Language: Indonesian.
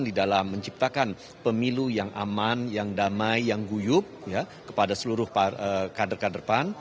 di dalam menciptakan pemilu yang aman yang damai yang guyup kepada seluruh kader kader pan